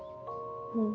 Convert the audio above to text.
うん。